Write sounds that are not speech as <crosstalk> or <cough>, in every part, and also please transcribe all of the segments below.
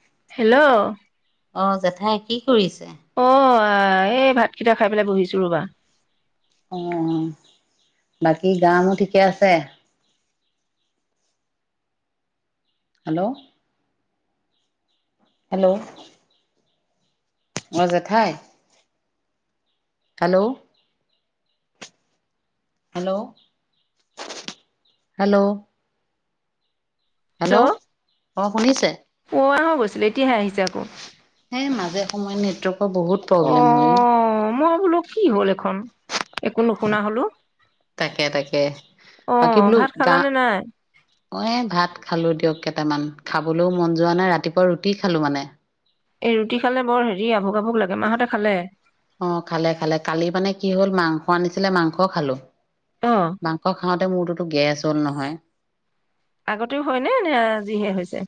Hello অ, জেঠাই কি কৰিছে? অ এই ভাতকেইটা খাই পেলাই বহিছো ৰ'বা অ, বাকী গা-মূৰ ঠিকে আছে? হেল্ল' হেল্ল' অ, জেঠাই। হেল্ল' হেল্ল' হেল্ল' হেল্ল' অ শুনিছে? <unintelligible> হৈ গৈছিলে। এতিয়াহে আহিছে আকৌ সেই মাজে সময়ে নেটৱৰ্ক বহুত অ প্ৰব্লেম ন মই বোলো কি হল একো নুশুনা হলো। তাকে তাকে অ, বাকী বোলো ভাত খালানে নাই? খালোঁ দিয়ক কেইটামান। খাবলৈও মন যোৱা নাই, ৰাতিপুৱা ৰুটি খালো মানে। এই ৰুটি খালে বৰ হেৰি আভোক আভোক লাগে। মাহঁতে খালে? অ, খালে খালে। কালি মানে কি হ'ল মাংস আনিছিলে মাংস খালো। অ মাংস খাওঁতে মোৰতোটো গেছ <inaudible> নহয় আগতেও হয় নে নে আজিহে হৈছে?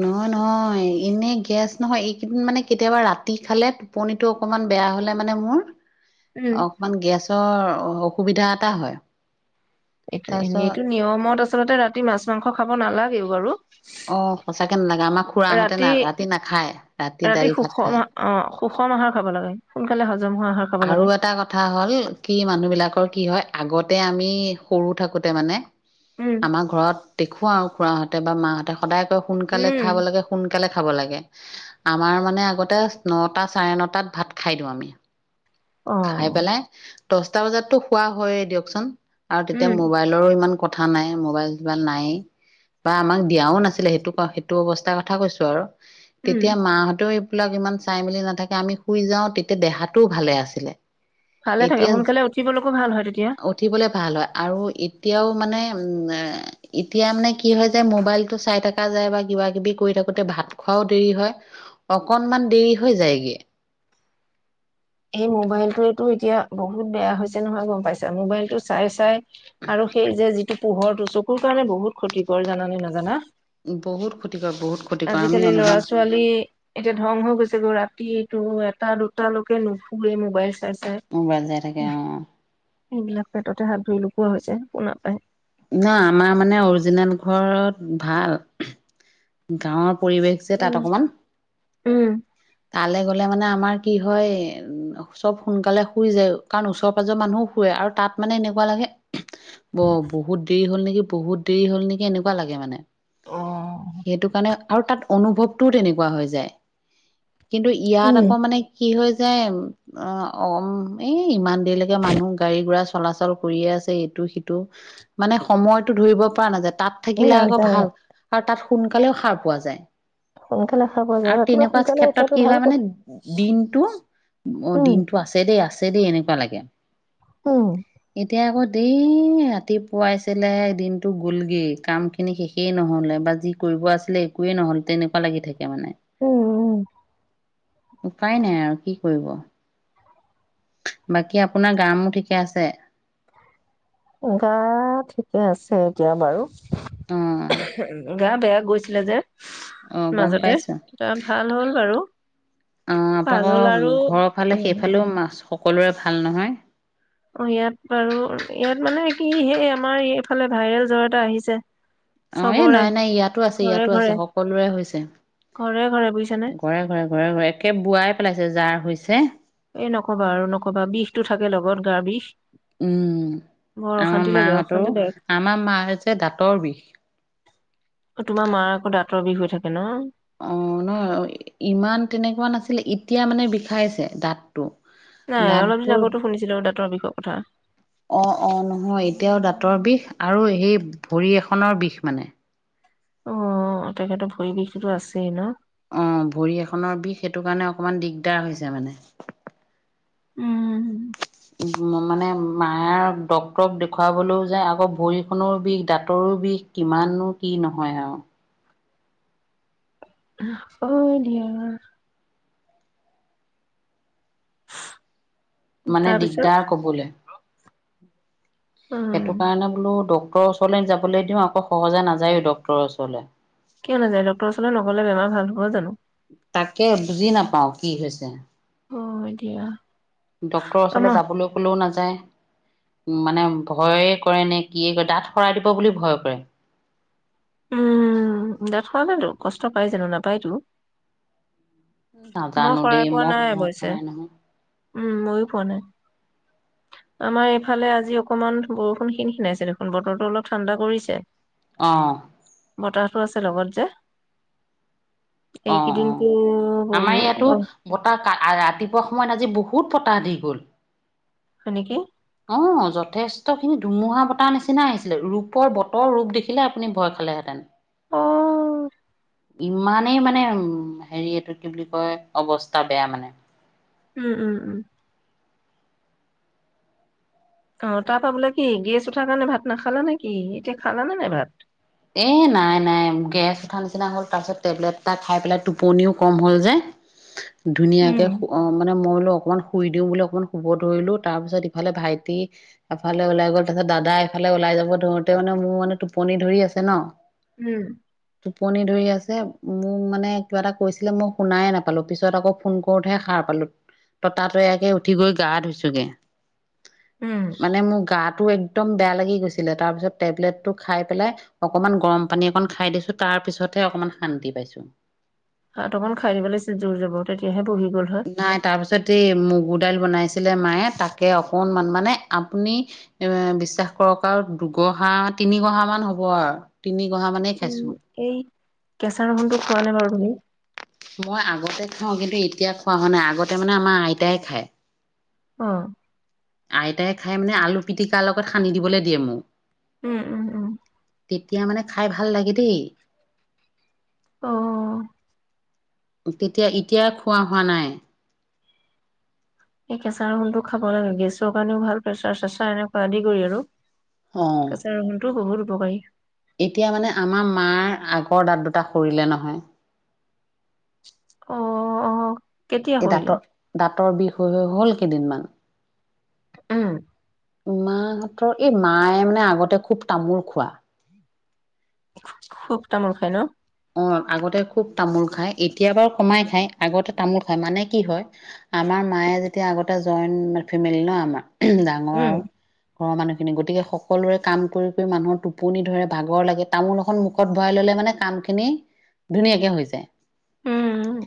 নহয় নহয় এনে গেছ নহয় এইকেইদিন মানে কেতিয়াবা ৰাতি খালে টোপনিটো অকমান বেয়া হলে মানে মোৰ উম অকমান গেছৰ অসুবিধা এটা হয় এইটো তাৰপিছত এনেইটো নিয়মত আছে আচলতে ৰাতি মাছ-মাংস খাব নালাগেও বাৰু। অ সঁচাকে নালাগে আমাৰ খুৰাহঁতে না ৰাতি নাখায় ৰাতি দাইল ভাত সুষম খায় অ সুষম আহাৰ খাব লাগে সোনকালে সজ আৰু এটা কথা হ'ল কি মানুহ বিলাকৰ কি হয় আগত তে আমি সৰু থাকোতে মানে উম আমাৰ ঘৰত দেখুৱাওক খুৰাহঁতে বা মাহঁতে সদায় কয় সোনকালে উম খাব লাগে সোনকালে খাব লাগে আমাৰ মানে আগতে নটা চাৰে নটাত ভাত খাই দিওঁ আমি। অ খাই পেলাই দচটা বজাতটো খোৱা হয়ে দিয়কচোন। আৰু তেতিয়া উম মোবাইলৰো ইমান কথা নাই মোবাইল-চোবাইল নায়েই বা আমাক দিয়াও নাছিলে সেইটো সেইটো অৱস্থাৰ কথা কৈছো আৰু। উম তেতিয়া মাহঁতেও বিলাক ইমান চাই মেলি নাথাকে আমি শুই যাওঁ তেতিয়া দেহাটোও ভালে আছে। এনে ভালে থাকে এতিয়া সোনকালে উঠিবলৈকো ভাল হয় তেতিয়া। উঠিবলে ভাল হয় আৰু এত এতিয়াও মানে উ এতিয়া মানে কি হয় যে মোবাইলটো চাই থকা যায় বা কিবা কিবি কৰি থাকোতে ভাত খোৱাও দেৰি হয়, অকনমান দেৰি হৈ যায়গে। এই মোবাইলটোৱেতো এতিয়া বহুত বেয়া হৈছে নহয় গম পাইছা, মোবাইলতটো চাই চাই আৰু সেইযে ত পোহৰ টো চকুৰ কাৰণে বহুত ক্ষতিকৰ জানে নাজানা! বহুত ক্ষতিকৰ বহুত ক্ষতিকৰ আমি আজিকালি অনুমান ল'ৰা- ছোৱালী এতিয়া ধং হৈ গৈছেগৈ ৰাত টি-টো এটা দুটা ল ন এই মোবাইল চাই চাই, মোবাইল চাই থাকে হু অ এইবিলাক পেটতে হাত ধুই লো কোৱা হৈছে শুনা পায় ন আমাৰ মানে অৰিজিনেল ঘৰত ভাল গাঁৱত পৰিৱেশ যে তাত উম। অকমান। উম। তালৈ গ'লে মানে আমাৰ কি হয় উ চব সোনকালে শুই যায় কাৰণ ওচৰ-পাজৰৰ মানুহো শুৱে আৰু তাত মানে এনেকুৱা লাগে ব বহুত দেৰি হ'ল নেকি বহুত দেৰি হল নেকি এনেকুৱা লাগে মানে। অ সেইটো কাৰণে আৰু তাত অনুভৱটোও তেনেকুৱা হৈ যায়! কিন্তু ইয়াত উম। আকৌ মানে কি হয় দিম অ' অ' এ ইমান দেইলৈকে মানুহ গাড়ী ঘোঁৰা চলাচল কৰিয়ে আছে ইটো সিটো মানে সময়তটো ধৰিব পৰা নাযায় তাত এই থাকিলে আকৌ নাযায় ভাল তাত সোনকালেও হাৰ পোৱা যায় সোনকালে খাব যায় আৰু ৰাতিপুৱা তেনেকুৱা সোনকালে ক্ষেত্ৰত উঠাটো কি ভাল হয় মানে কথা দিনতটো অ উম। দিনটো আছে দেই আছে দেদে এনেকুৱা লাগে উম, এতিয়া আকৌ দেই ৰাতিপুৱাইছিলেহে দিনতটো গ'লগে কাম খিনি শেষেই নহ'লে বা যি কৰিব আছিলে একোৱে নহ'ল তেনেকুৱা লাগি থাকে মানে উম উম উপায় নাই আৰু কি কৰিব বাকী আপোনাৰ গা মো ঠিকে আছে গা ঠিকে আছে এতিয়া বাৰু অঁ গা বেয়া গৈ ছিলে যে অ' গম মাজতে পাইছো। তেতিয়া ভাল হ'ল বাৰু অ' তাক ভাল হ'ল আৰু ঘৰ ফালে উম সেইফালেও মাছ সকলোৰে ভাল নহয়? অ' ইয়াত বাৰু ইয়াত মানে কি সেই আমাৰ এইফালে ভাইৰেল জ্বৰ এটা আহিছে। অ' এ চবৰে নাই নাই ইয়াতো আছে ঘৰে ইয়াতো আছে ঘৰে সকলোৰে হৈছে ঘৰে ঘৰে বুজিছানে ঘৰে-ঘৰে, ঘৰে-ঘৰে একে বোৱাই পেলাইছে যাৰ হৈছে এই নক'বা আৰু নক'বা বিষতো থাকে লগত গাৰ বিষ উম বৰ আমাৰ অশান্তি লাগে মাহঁতৰো অশান্তি লাগে আমাৰ মাৰ হৈছে দাঁতৰ বিষ তোমাৰ মাৰ আকৌ দাঁতৰ বিষ উঠে হেল্ল' অ' নহ ইমান তেনেকুৱা নাছিলে এতিয়া মানে বিষাইছে দাঁত। নাই অলপ দিন আগতো শুনিছিলো দাঁ‌ত তৰ বিষৰ কথা অ' অ' নহয় এতিয়াও দাঁতৰ বিষ আৰু সেই ভৰি এখনৰ বিষ মানে। অ' তেখেতৰ ভৰিবিষটোটো আছেই ন? অহ ভৰি এখনৰ বিষ সেইটো কাৰণে অকমান দিগদাৰ হৈছে মানে। উম মানে মায়াৰ ডক্তৰক দেখুৱাবলৈও যায় আকৌ ভৰিখনৰো বিষ দাঁতৰো বিষ কিমাননো কি নহয় আৰু অ' দিয়া মানে তাৰপিছত দিগদাৰ ক'বলৈ উম সেইটো কাৰণে বোলো ডক্টৰ ওচৰলৈ যাবলৈ দিওঁ আকৌ সহজে নাযায়ও ডক্টৰ ওচৰলে হয় জানো? তাকে বুজি নাপাও কি হৈছে হয় দিয়া। ডাক্তৰ ওচলে আমা যাবলে ক'লেও নাযায়। <inaudible> মানে ভয়ে কৰে নে কিয়ে, দাঁত সৰাই দিব বুলি ভয় কৰে। উম দাঁত সৰালেতো কষ্ট পাই জানো? নাপায়তো? মই নাজানো শৰাই দেই। পোৱা মই <unintelligible> নাই খোৱা অৱশ্যে। নাই নহয়। উম ময়ো পোৱা নাই। আমাৰ এইফালে আজি অকমান বৰষুণ খিনখিনাইছে দেখোন। বতৰটো অলপ ঠাণ্ডা কৰিছে। অ'। পতাহটো আছে লগত যে? এইকেইদিনতো অ'-অ' আমাৰ ইয়াতো বহুত বতাহ কা - আ - ৰাতিপুৱা সময়ত আজি বহুত বহুত পতাহ দি গ'ল। হয় নেকি? অ' যথেষ্টখিনি ধুমুহা বতাহ নিচিনা আহিছিলে ।ৰূপৰ বতৰ ৰূপ দেখিলে আপুনি ভয় খালেহেঁতেন। অ'। ইমানেই মানে উম হেৰি এইটো কি বুলি কয় অৱস্থা বেয়া মানে। উম-উম-উম। অ' তাৰ পৰা বোলে কি? গেছ উঠাৰ কাৰণে ভাত নাখালা নেকি? এতিয়া খালানে নাই ভাত? এ নাই-নাই । গেছ উঠা নিচিনা হ'ল। তাৰ পিছত টেবলেট এটা খাই পেলাই টোপনিও কম হ'ল যে। ধুনীয়াকে উম অ' মানে মই লও অকমান শুই দিও বুলি অকণমান শুব ধৰিলোঁ । তাৰ পিছত ইফালে ভাইটি এফালে ওলাই গ'ল। তাৰ পিছত দাদা এফালে ওলাই যাব ধৰোঁতে মানে মোৰ মানে টোপনি ধৰি আছে। তে ন'? উম। টোপনি ধৰি আছে । মোক মানে কিবা এটা কৈছিলে মই শুনাইে নাপালোঁ। পিছত আকৌ ফোন কৰোতহে সাৰ পালোঁ। ততাতৈয়াকে উঠি গৈ গা ধুইছোগে। উম মানে মোৰ গাত তটো একদম বেয়া লাগি গৈছিলে। তাৰ পিছত টেবলেটটো খাই পেলাই অকমান গৰম পানী অকন খাই দিছোঁ । তাৰ পিছতহে অকমান শান্তি পাইছোঁ। ভাত অকন খাই দিব লাগিছিলে । জোৰ যাব তেতিয়াহে বহি গ'ল হয়। নাই । তাৰপিছতেই মুগু দাইল বনাইছিলে মায়ে । তাকে অকনমান মানে আপুনি বিশ্বাস কৰক আৰু দুগহা তিনি গহা মান হ'ব আৰু । তিনি গহা মানেই উম, খাইছোঁ। এই কেঁচা ৰহুনটো খোৱা নে বাৰু তুমি? মই আগতে খাওঁ। কিন্তু এতিয়া খোৱা হোৱা নাই। আগতে মানে আমাৰ আইতাই খায়। অ'। এটাই খাই মানে আলু পিটিকাৰ লগত সানি দিবলৈ দিয়ে মোক। উম-উম-উম। তেতিয়া মানে খাই ভাল লাগে দেই। অ'। তেতিয়া - এতিয়া খোৱা হোৱা নাই। সেই কেঁচা ৰুহণটো খাব লাগে । গেছৰ কাৰণেও ভাল, প্ৰেচাৰ-চেচাৰ এনেকুৱা আদি কৰি আৰু । অঁ কেঁচ ৰহুনটোও বহুত <unintelligible> এতিয়া মানে আমাৰ মাৰ আগৰ দাঁত দুটা সৰিলে নহয়। অ'-অ'। এই দাঁতৰ-দাঁতৰ বিষ হৈ-হৈ হ'ল। কেইদিনমান উম মাহঁতৰ এই মায়ে মানে আগতে খুব তামোল খোৱা। খুব-খুব তামোল খায় ন'? অ' আগতে খুব তামোল খায়। এতিয়া বাৰু কমাই খাই আগতে তামোল খায় । মানে কি হয়, আমাৰ মায়ে যেতিয়া আগতে জইণ্ট ফেমিলি ন' আমাৰ ডাঙৰ উম, আৰু। ঘৰৰ মানুহখিনি । গতিকে সকলোৰে কাম কৰি কৰি মানুহৰ টোপনি ধৰে, ভাগৰ লাগে, তামোল এখন মুখত ভৰাই ল'লে মানে কাম খিনি ধুনীয়াকে হৈ যায়। উম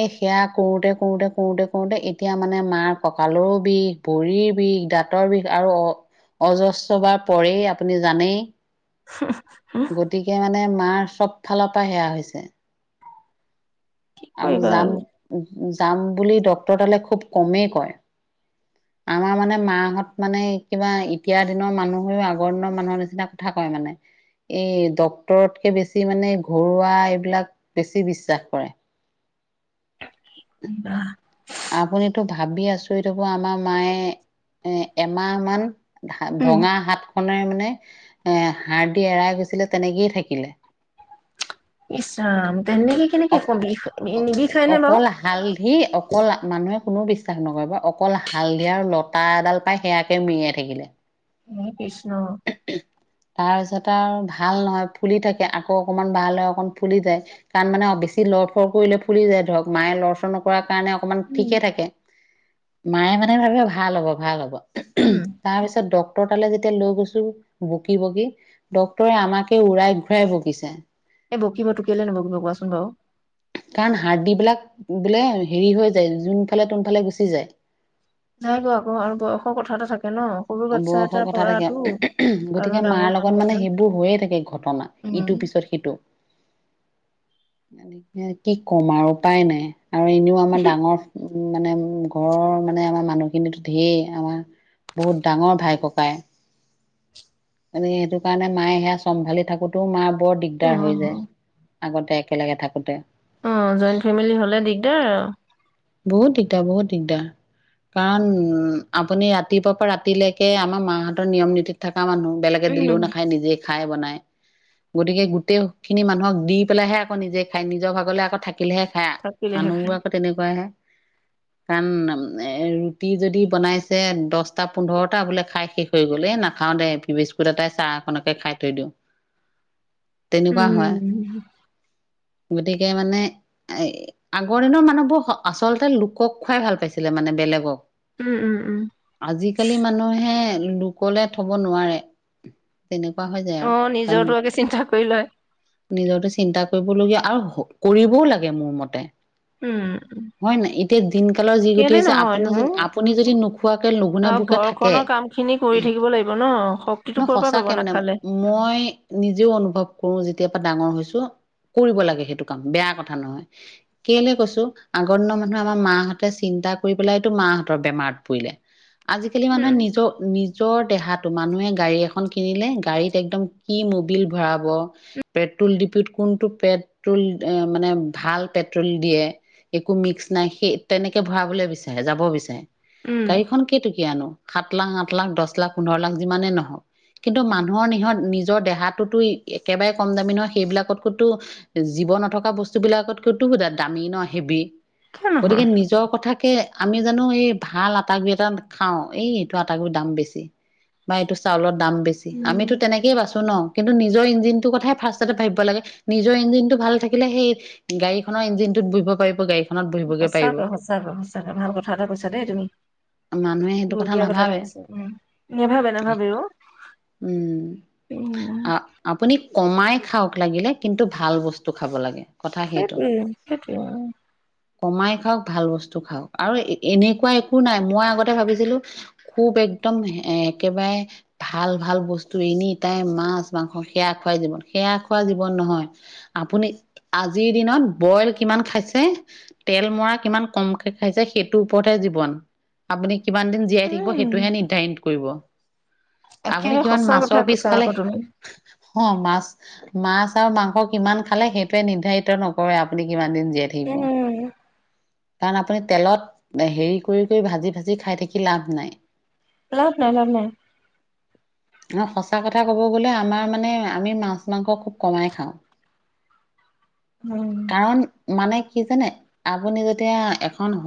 এই সেয়া কৰোঁতে কৰোঁতে কৰোঁতে কৰোঁতে এতিয়া মানে মাৰ কঁকালৰো বিষ ভৰিৰ বিষ দাঁতৰ বিষ আৰু অ-অজস্ৰ বাৰ পৰেই আপুনি জানেই। হঁ-হঁ। গতিকে মানে মাৰ চব ফালৰ পৰা সেয়া হৈছে। কি আৰু কৰিবা যাম যাম বুলি ডক্তৰতালে খুব কমেই কয়। আমাৰ মানে মাহঁত মানে কিবা এতিয়াৰ দিনৰ মানুহ হৈও আগৰ দিনৰ মানুহৰ নিচিনা কথা কয় মানে । এই ডক্টৰতকে বেছি মানে ঘৰুৱা এইবিলাক বেছি বিশ্বাস কৰে। বাহ আপুনিতো ভাবি আচৰিত হব আমাৰ মায়ে এ এমাহ মান উম। ভা-ভঙা হাতখনে নে হাৰদি এৰাই গৈছিলে তেনেকেই থাকিলে। ইছ ৰাম! তেনেকে কেনেকে কম বিষ - অ নিবিষাইনে অকল হালধি বাৰু? অকল মানুহে কোনো বিশ্বাস নকৰিব । অকল হালধি আৰু লতা এডাল পাই সেয়াকে মেৰিয়াই থাকিলে। উ বিষ্ণু তাৰপিছত আৰু ভাল নহয়, ফুলি থাকে, আকৌ অকমান ভাল হয়, অকমান ফুলি যায়। কাৰণ মানে বেছি লৰফৰ কৰিলে ফুলি যায় ধৰক মায়ে লৰচৰ নকৰাকে কাৰণে অকমান ঠিকে উম। থাকে। মায়ে সদায় ভাবে ভাল হব । ভাল হব। উম, তাৰপিছত ড তোৰতালৈ যেতিয়া লৈ গৈছোঁ বকি বকি ডক্তৰে আমাকে উৰাই ঘূৰাই বকিছে। এই বকিবতো কেলে নবকিব কোৱাচোন বাৰু? কাৰণ হাৰদিবিলাক বোলে হেৰি হৈ যায় যোনফালে তোনফালে গুচি যায়। নাই বোৱাঁ আকৌ আৰু বয়সৰ কথা এটা থাকে। ন সৰু অ' বাচ্ছা বয়সৰ এটাৰ কথা থাকে পৰাতো । আৰু গতিকে ডাঙৰ মাৰ লগত মানুহ মানে এজন সেইবোৰ হৈয়ে থাকে ঘটনা, উম। ইটোৰ পিছত সিটো। এনে <unintelligible> কি কম আৰু উপায় নাই। আৰু এনেও আমাৰ ডাঙৰ <inaudible> উম মানে ঘৰৰ মানে আমাৰ মানুহখিনিতো ঢেৰ আমাৰ বহুত ডাঙৰ ভাই ককাই। এনে সেইটো কাৰণে মায়ে সেয়া চম্ভালি থাকোঁতেও মাৰ বৰ অ দিগদাৰ হৈ যায়। আগতে একেলগে থাকোঁতে অ', জইণ্ট ফেমিলি হ'লে দিগদাৰ আৰু। বহুত দিগদাৰ, বহুত দিগদাৰ। কাৰণ উম আপুনি ৰাতিপুৱা পৰা ৰাতিলৈকে আমাৰ মা‌হতৰ নিয়ম নীতিত থকা মানুহ। বেলেগে উম দিলেও নাখায় নিজে খাই বনাই। গতিকে গোটেই খিনি মানুহক দি পেলাইহে আকৌ নিজে খায়। নিজৰ ভাগলে আকৌ থাকি থাকিলেহে খায়। থাকিলেহে খাই মানুহবোৰ আকৌ তেনেকুৱাহে। কাৰণ অম এ ৰুটি যদি বনাইছে দচটা পোন্ধৰটা বোলে খাই শেষ হৈ গ'ল এ নাখাও দে বিস্কুত এটাই চাহ অকনকে খাই থৈ দিওঁ। উম তেনেকুৱা হয় উম। গতিকে মানে এ আগৰ দিনৰ মানুহবোৰ আচলতে লোকক খুৱাই ভাল পাইছিলে মানে বেলেগক। উম উম উম আজিকালি মানুহে লোকলে থব নোৱাৰে। উ অ নিজৰ তো আগে চিন্তা কৰি লয়। নিজৰতো চিন্তা কৰিবলগীয়া আৰু হব কৰিবও লাগে মোৰ মতে। উম। হয় নাই। এতিয়া দিন কালৰ যি গতি কেলে হৈছে । আপুনি নহয়নো যদি আপুনি যদি নোখোৱাকে লঘোণে অ ভোকে থাকে। ঘৰখনৰ কাম খিনি কৰি থাকিব লাগিব ন শক্তিটো ক'ৰ পৰা পাব সঁচাকে মানে। নাখালে মই নিজেও অনুভৱ কৰো যে যেতিয়া পৰা ডাঙৰ হৈছো কৰিব লাগে সেইটো কাম, বেয়া কথা নহয় । কেলে কৈছো আগৰ দিনৰ মানুহে আমাৰ মাহঁতে চিন্তা কৰি পেলাইতো মাহঁতৰ বেমাৰত‌ পৰিলে। আজিকালি মানুহে উম নিজৰ নিজ জ্বৰ দেহাটো মানুহে গাড়ী গাড়ীখন কিনিলে গাড়ীত একদম কি মবিল ভৰাব, পেট্ৰল ডিপুত কোনটো পেট্ৰল মানে ভাল পেট্ৰল দিয়ে, একো মিক্স নাই সেই তেনেকে ভৰাবলৈ বিচাৰে যাব বিচাৰে। উম গাড়ীখন কেই টকীয়ানো? সাত লাখ, আঠ লাখ, দচ লাখ, পোন্ধৰ লাখ যিমানেই নহওক কিন্তু মানুহৰ নিহ নিজৰ দেহাতটোতো একেবাৰে কম দামী নহয়। সেইবিলাকতকৈতো জীৱ নথকা বস্তুবিলাকতকৈতো দামী ন হেভি। কিয় গতিকে নহয় নিজৰ কথা তাকে, আমি জানো এই ভাল আটা গুৰি এটা খাও ।এই এইটো আটা গুৰি দাম বেছি বা এইটো চাউলৰ দাম বেছি আমিতো উম। তেনেকে বাছোঁ ন। কিন্তু নিজৰ ইঞ্জিনটোৰ কথাই ফাৰ্ষ্টতে ভাবিব লাগে। নিজৰ ইঞ্জিনটো ভালে থাকিলে সেই গাড়ীখনৰ ইঞ্জিনটোত বহিব পাৰিব। গাড়ী সঁচাকে, সঁচাকে, সঁচাকে। ভাল কথা এটা কৈছা দেই তুমি। মানুহে সেইটো বৰ্হিয়া কথা এটা নাভাবে কৈছা ।উ নাভাবে নাভাবে। অ উম উম আ আপুনি কমাই খাওক লাগিলে কিন্তু ভাল বস্তু খাব লাগে। কথা সেইটো। সেইটোয়ে সেইটোয়ে কমাই খাওক ভাল বস্তু খাওক আৰু এ-এনেকুৱা একো নাই। মই আগতে ভাবিছিলো খুব একদম এ- একেবাৰে ভাল ভাল বস্তু এনি তাই মাছ মাংস সেয়া খোৱাই জীৱন। সেয়া খোৱা জীৱন নহয়। আপুনি আজিৰ দিনত বইল কিমান খাইছে, তেল মৰা কিমান কমকে খাইছে সেইটোৰ ওপৰতহে জীৱন ।আপুনি কিমান দিন জীয়াই থাকিব উম। সেইটোহে নিৰ্ধাৰিত কৰিব। আপুনি একেবাৰে কিমান সঁচা মাছৰ কথা পিছ কৈছা খালে। আকৌ তুমি। অ মাছ মাছ আৰু মাংস কিমান খালে সেইটোৱে নিৰ্ধাৰিত নকৰে আপুনি কিমান দিন জীয়াই থাকিব উম, কাৰণ আপুনি তেলত হেৰি কৰি কৰি ভাজি ভাজি খাই থাকি লাভ নাই । লাভ নাই লাভ নাই। অ সঁচা কথা ক'ব গ'লে আমাৰ মানে আমি মাছ মাংস খুব কমাই খাওঁ । উম। কাৰণ মানে কি জানে, আপুনি যেতিয়া এখন